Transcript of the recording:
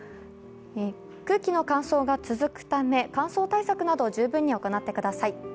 空気の乾燥が続くため乾燥対策を十分に行ってください。